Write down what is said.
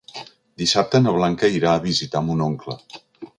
Dissabte na Blanca irà a visitar mon oncle.